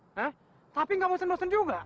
hah tapi enggak bosen bosen juga